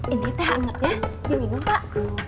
ini teh hangat ya ini minum pak